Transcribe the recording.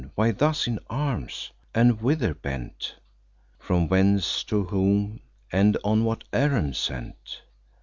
why thus in arms? And whither bent? From whence, to whom, and on what errand sent?"